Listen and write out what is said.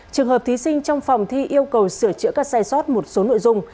trường hợp thí sinh trong phòng thi yêu cầu sửa chữa các sai sót một số nội dung